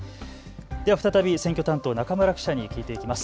では再び選挙担当、中村記者に聞いていきます。